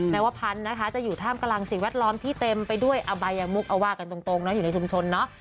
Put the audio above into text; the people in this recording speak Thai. ว่าพันธุ์นะคะจะอยู่ท่ามกำลังสิ่งแวดล้อมที่เต็มไปด้วยอบายมุกเอาว่ากันตรงเนาะอยู่ในชุมชนเนาะ